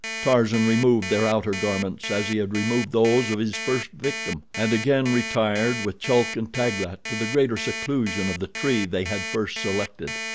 Tarzan removed their outer garments as he had removed those of his first victim, and again retired with Chulk and Taglat to the greater seclusion of the tree they had first selected.